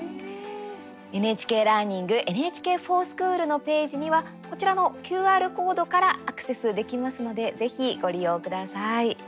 「ＮＨＫラーニング」「ＮＨＫｆｏｒＳｃｈｏｏｌ」のページにはこちらのＱＲコードからアクセスできますのでぜひ、ご利用ください。